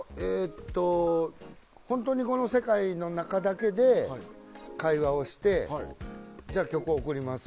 本当にこの世界の中だけで会話をして曲を送ります